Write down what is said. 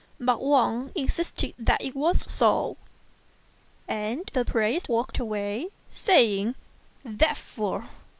But Wang insisted that it was so, and the priest walked away, saying, "The fool!